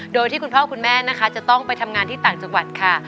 โดยที่คุณพ่อคุณแม่นะคะจะต้องไปทำงานที่ต่างจังหวัดค่ะ